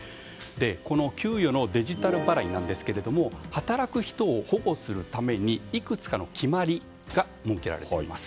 給与のデジタル払いですが働く人を保護するためにいくつかの決まりが設けられています。